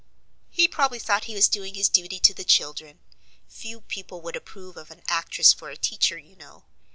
"He probably thought he was doing his duty to the children: few people would approve of an actress for a teacher you know.